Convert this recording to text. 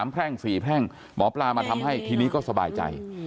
แพร่ง๔แพร่งหมอปลามาทำให้ทีนี้ก็สบายใจ